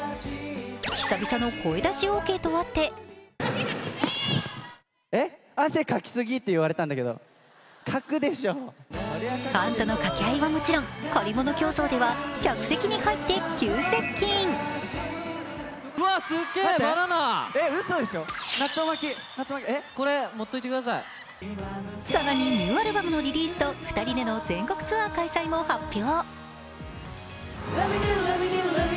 久々の声出しオーケーとあってファンとの掛け合いはもちろん借り物競走では客席に入って急更にニューアルバムのリリースと２人での全国ツアー開催も発表。